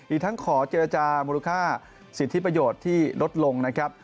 อีกทั้งขอเจรจามูลค่าสิทธิประโยชน์ที่ลดลงนะครับ